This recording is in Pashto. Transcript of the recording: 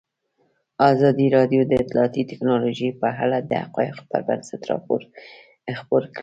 ازادي راډیو د اطلاعاتی تکنالوژي په اړه د حقایقو پر بنسټ راپور خپور کړی.